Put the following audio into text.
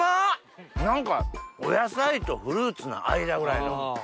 何かお野菜とフルーツの間ぐらいの。